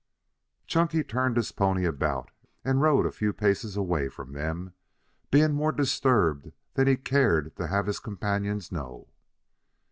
Chunky turned his pony about and rode a few paces away from them, being more disturbed than he cared to have his companions know.